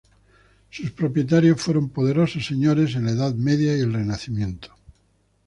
Sus propietarios fueron poderosos señores en la edad media y el renacimiento.